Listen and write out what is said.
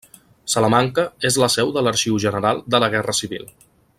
Salamanca és la seu de l'Arxiu General de la Guerra Civil.